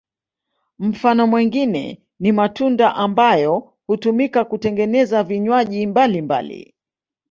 Mfano mwingine ni matunda ambayo hutumika kutengeneza vinywaji mbalimbali.